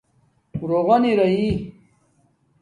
رُغن ارئئ